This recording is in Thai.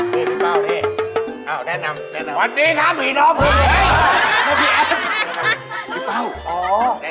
เฮ้ยพี่เป้านี่